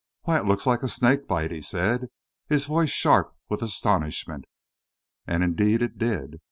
"Why, it looks like a snake bite!" he said, his voice sharp with astonishment. And, indeed, it did.